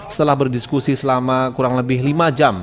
setelah berdiskusi selama kurang lebih lima jam